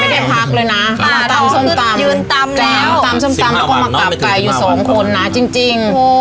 ไม่ได้พักเลยน่ะผ่าท้องก็ยืนตามแล้วตามส้มตำแล้วก็มากลับไก่อยู่สองคนน่ะจริงจริง